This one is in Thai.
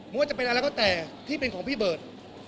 ว่าจะเป็นอะไรก็แต่ที่เป็นของพี่เบิร์ต